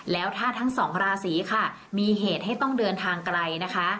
แล้วถ้าทั้งสองราศีค่ะมีเหตุให้ต้องเดินทางไกลนะคะ